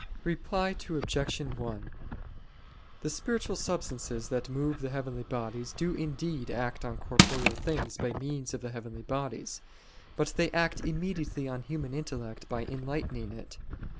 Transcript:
Reply Obj. 1: The spiritual substances, that move the heavenly bodies, do indeed act on corporeal things by means of the heavenly bodies; but they act immediately on the human intellect by enlightening it.